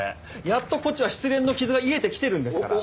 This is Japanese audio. やっとこっちは失恋の傷が癒えてきてるんですから！